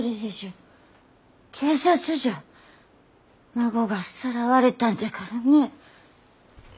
孫がさらわれたんじゃからねえ。